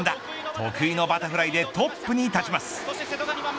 得意のバタフライでトップに立ちます。